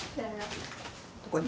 ここに？